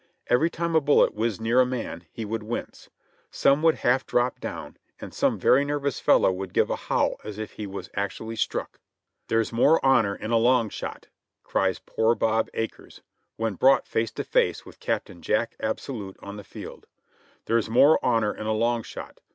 Every time a bullet whizzed near a man he would wince. Some would half drop down, and some very nervous fellow would give a howl as if he was actually struck. "There's more honor in a long shot," cries poor Bob Acres, when brought face to face with Captain Jack Absolute on the field; "there's more honor in a long shot!